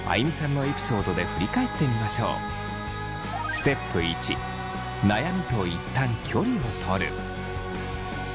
ステップ１悩みと一旦距離をとる。